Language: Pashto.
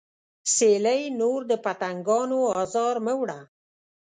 سیلۍ نور د پتنګانو ازار مه وړه